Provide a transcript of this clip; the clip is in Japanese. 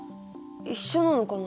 一緒なのかな？